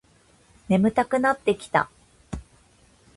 眠たくなってきた